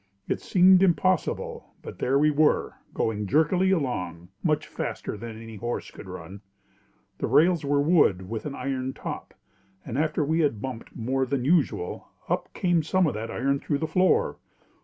It seemed impossible, but there we were, going jerkily along, much faster than any horse could run. The rails were wood with an iron top and after we had bumped more than usual, up came some of that iron through the floor.